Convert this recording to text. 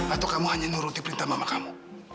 atau kamu hanya nuruti perintah mama kamu